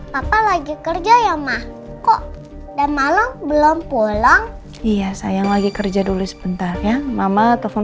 papa lagi kerja ya mak kok dan malam belum pulang iya sayang lagi kerja dulu sebentar ya mama telepon